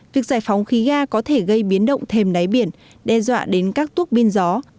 việc giải phóng khí ga có thể gây biến động thêm đáy biển đe dọa đến các tuốc biên gió